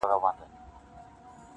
• خو څه نه سي ويلای تل..